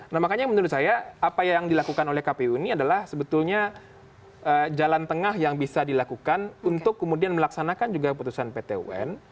nah makanya menurut saya apa yang dilakukan oleh kpu ini adalah sebetulnya jalan tengah yang bisa dilakukan untuk kemudian melaksanakan juga keputusan pt un